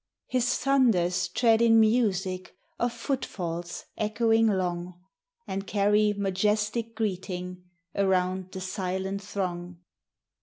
His thunders tread in music Of footfalls echoing long, And carry majestic greeting Around the silent throng.